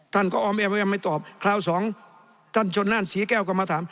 ท่านก็ออมแอ้มว่าไม่ตอบคราวสองท่านชนนั่นศรีแก้วก็มาถาม